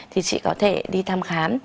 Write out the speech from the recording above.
thì chị có thể đi thăm khám